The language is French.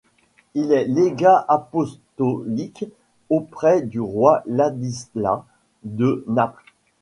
Il est légat apostolique auprès du roi Ladislas de Naples.